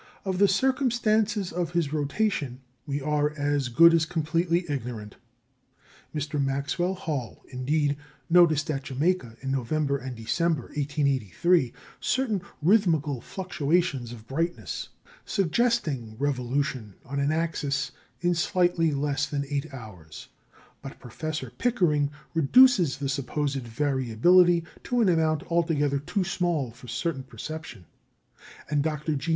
Of the circumstances of his rotation we are as good as completely ignorant. Mr. Maxwell Hall, indeed, noticed at Jamaica, in November and December, 1883, certain rhythmical fluctuations of brightness, suggesting revolution on an axis in slightly less than eight hours; but Professor Pickering reduces the supposed variability to an amount altogether too small for certain perception, and Dr. G.